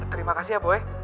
terima kasih ya boy